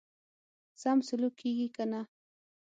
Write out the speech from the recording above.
سم سلوک کیږي کنه.